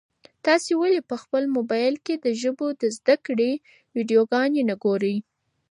تاسي ولي په خپل موبایل کي د ژبو د زده کړې ویډیوګانې نه ګورئ؟